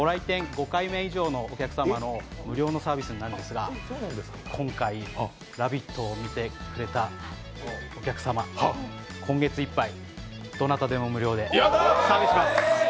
５回目以上のお客様の無料のサービスになるんですが、今回「ラヴィット！」を見てくれたお客様今月いっぱい、どなたでも無料でサービスします。